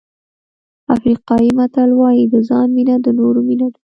افریقایي متل وایي د ځان مینه د نورو مینه ده.